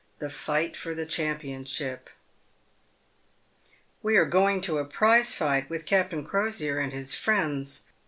THE FIGHT FOR THE CHAMPIONSHIP, We are going to a prize fight with Captain Crosier and his friends.